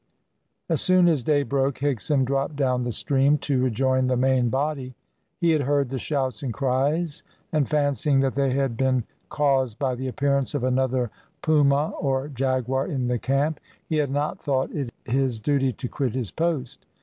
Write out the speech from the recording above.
As soon as day broke Higson dropped down the stream to rejoin the main body. He had heard the shouts and cries, and fancying that they had been caused by the appearance of another puma or jaguar in the camp, he had not thought it his duty to quit his post.